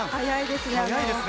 速いですね。